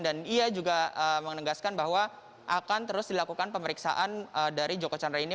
dan ia juga menegaskan bahwa akan terus dilakukan pemeriksaan dari joko chandra ini